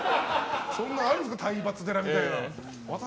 そんなのあるんですか体罰寺みたいなの。